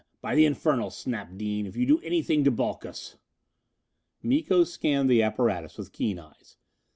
By the infernal, Snap Dean, if you do anything to balk us!" Miko scanned the apparatus with keen eyes.